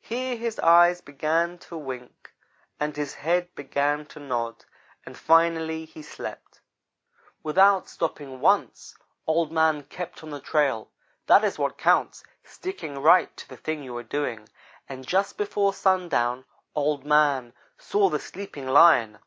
Here his eyes began to wink, and his head began to nod, and finally he slept. "Without stopping once, Old man kept on the trail. That is what counts sticking right to the thing you are doing and just before sundown Old man saw the sleeping Lion.